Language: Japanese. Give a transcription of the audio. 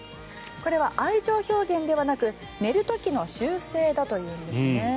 これは愛情表現ではなく寝る時の習性だというんですね。